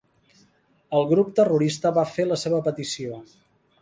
El grup terrorista va fer la seva petició.